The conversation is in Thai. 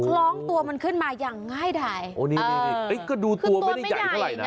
ล้องตัวมันขึ้นมาอย่างง่ายดายโอ้นี่นี่ก็ดูตัวไม่ได้ใหญ่เท่าไหร่นะ